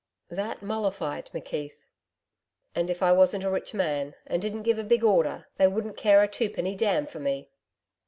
That mollified McKeith. 'And if I wasn't a rich man, and didn't give a big order, they wouldn't care a twopenny damn for me.'